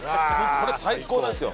これ最高なんですよ。